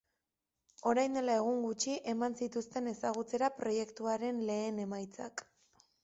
Orain dela egun gutxi eman zituzten ezagutzera proiektuaren lehen emaitzak.